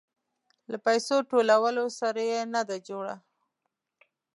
له پيسو ټولولو سره يې نه ده جوړه.